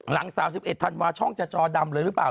หลัง๓๑ธันวาช่องจะจอดำเลยหรือเปล่า